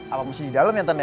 apa masih di dalam ya tandanya